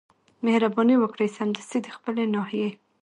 مهرباني وکړئ سمدستي د خپلي ناحيې